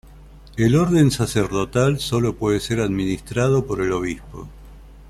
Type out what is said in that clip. El orden sacerdotal sólo puede ser administrado por el obispo.